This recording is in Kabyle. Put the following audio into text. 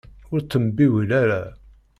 Ur ttembiwil ara.